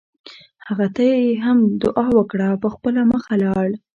هغه ته یې هم دعا وکړه او په خپله مخه لاړ.